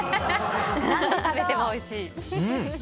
何度食べてもおいしい。